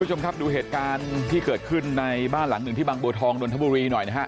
คุณผู้ชมครับดูเหตุการณ์ที่เกิดขึ้นในบ้านหลังหนึ่งที่บางบัวทองนนทบุรีหน่อยนะฮะ